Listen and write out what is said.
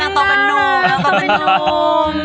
นางตกเป็นนุ่ม